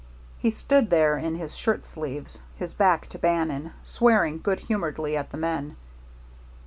He stood there in his shirt sleeves, his back to Bannon, swearing good humoredly at the men.